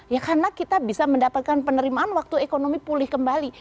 ya karena kita bisa mendapatkan penerimaan waktu ekonomi pulih kembali